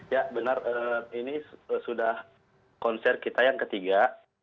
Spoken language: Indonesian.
ya benar ini sudah konser kita yang ketiga